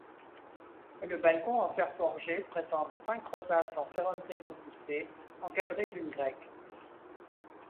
Le balcon en fer forgé présente cinq rosaces en ferronnerie repoussée, encadrées d'une grecque.